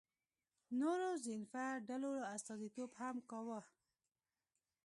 نورو ذینفع ډلو استازیتوب هم کاوه.